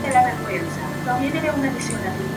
Formaban la cuadrilla diez villas y un despoblado.